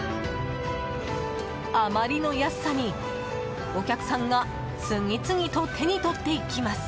あまりの安さに、お客さんが次々と手にとっていきます。